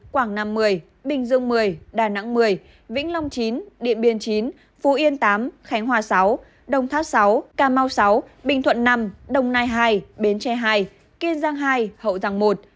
quảng nam một mươi bình dương một mươi đà nẵng một mươi vĩnh long chín điện biên chín phú yên tám khánh hòa sáu đồng tháp sáu cà mau sáu bình thuận năm đồng nai hai bến tre ii kiên giang hai hậu giang i